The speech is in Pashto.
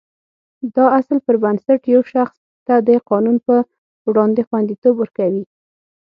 دا اصل پر بنسټ یو شخص ته د قانون په وړاندې خوندیتوب ورکوي.